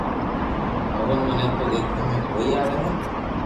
ڀگوان مني تو ديکيا ۾ ڪوئي آوي ھي